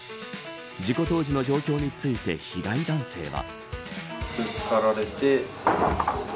事故当時の状況について被害男性は。